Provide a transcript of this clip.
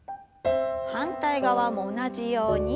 反対側も同じように。